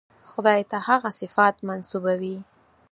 خدای ته هغه صفات منسوبوي.